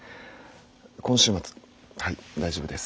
今週末はい大丈夫です。